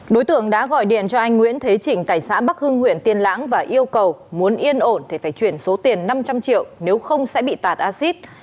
đối tượng đã gọi điện cho anh nguyễn thế chỉnh tại xã bắc hưng huyện tiên lãng và yêu cầu muốn yên ổn thì phải chuyển số tiền năm trăm linh triệu nếu không sẽ bị tạt acid